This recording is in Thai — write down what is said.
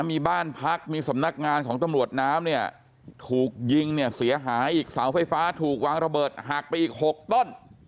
มีบ้านพักมีสำนักงานของตำรวจน้ำเนี่ยถูกยิงเนี่ยเสียหายอีกเสาไฟฟ้าถูกวางระเบิดหักไปอีก๖ต้น